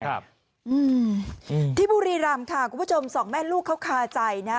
อืมที่บุรีรำค่ะคุณผู้ชมสองแม่ลูกเขาคาใจนะ